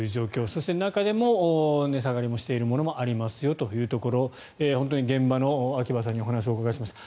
そして中でも値下がりしているものもありますよというところ現場の秋葉さんにお話を伺いました。